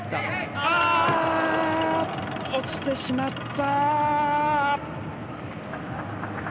あー、落ちてしまった。